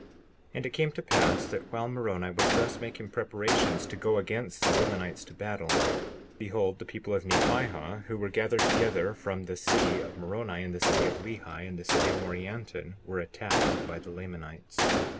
59:5 And it came to pass that while Moroni was thus making preparations to go against the Lamanites to battle, behold, the people of Nephihah, who were gathered together from the city of Moroni and the city of Lehi and the city of Morianton, were attacked by the Lamanites.